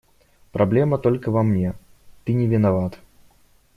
Проблема только во мне, ты не виноват.